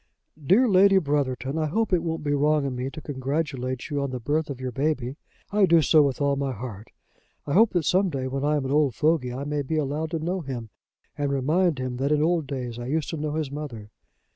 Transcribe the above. "DEAR LADY BROTHERTON, I hope it won't be wrong in me to congratulate you on the birth of your baby. I do so with all my heart. I hope that some day, when I am an old fogy, I may be allowed to know him and remind him that in old days I used to know his mother.